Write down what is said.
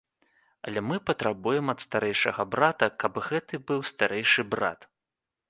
Але мы патрабуем ад старэйшага брата, каб гэта быў старэйшы брат.